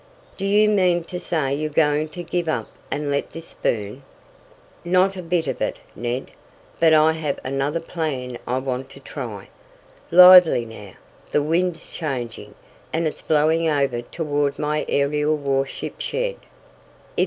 "Do you mean to say you're going to give up and let this burn?" "Not a bit of it, Ned. But I have another plan I want to try. Lively now! The wind's changing, and it's blowing over toward my aerial warship shed.